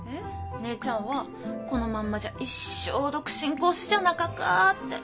姉ちゃんはこのまんまじゃ一生独身コースじゃなかかって。